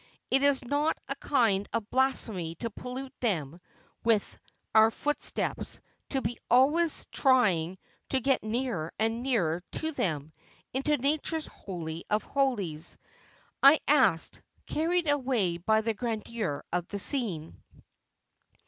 '" Is it not a kind of blasphemy to pollute them with our footsteps, to be always trying to get nearer and nearer to them, into Nature's Holy of Holies ?"' I asked, carried away by the grandeur of the scene.